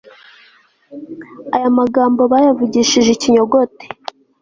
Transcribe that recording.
aya magambo bayavugishije ikinyogote